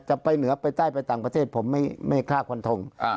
ไปเหนือไปใต้ไปต่างประเทศผมไม่กล้าฟันทง